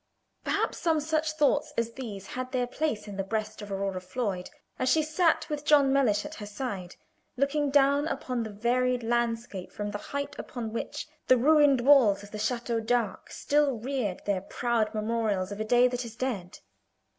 Perhaps some such thoughts as these had their place in the breast of Aurora Floyd as she sat with John Mellish at her side, looking down upon the varied landscape from the height upon which the ruined walls of the Chateau d'Arques still rear the proud memorials of a day that is dead.